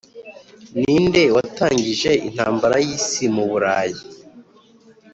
Ninde watangije intambara yisi muruburayi